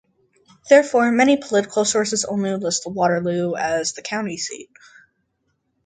Therefore, many political sources only list Waterloo as the county seat.